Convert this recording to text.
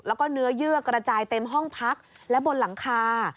แล้วก็เนื้อเยื่อกระจายเต็มห้องพักและบนหลังคา